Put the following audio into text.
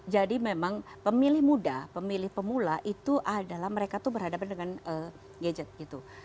jadi memang pemilih muda pemilih pemula itu adalah mereka itu berhadapan dengan gadget gitu